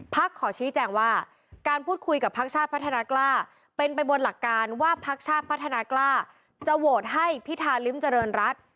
ขอชี้แจงว่าการพูดคุยกับพักชาติพัฒนากล้าเป็นไปบนหลักการว่าพักชาติพัฒนากล้าจะโหวตให้พิธาริมเจริญรัฐ